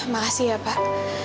makasih ya pak